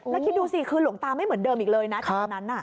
แล้วคิดดูสิคือหลวงตาไม่เหมือนเดิมอีกเลยนะจากตอนนั้นน่ะ